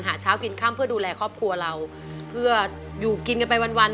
หาเช้ากินค่ำเพื่อดูแลครอบครัวเราเพื่ออยู่กินกันไปวันวัน